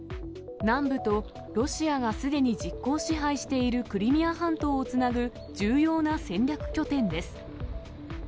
南部とロシアがすでに実効支配しているクリミア半島をつなぐ、重要な戦略拠点です。